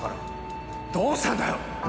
どうしたんだよ！